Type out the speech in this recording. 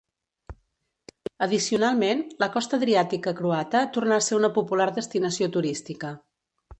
Addicionalment, la costa adriàtica croata tornà a ser una popular destinació turística.